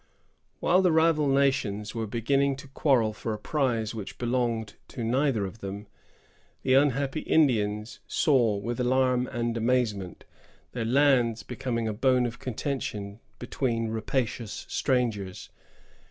While the rival nations were beginning to quarrel for a prize which belonged to neither of them, the unhappy Indians saw, with alarm and amazement, their lands becoming a bone of contention between rapacious strangers.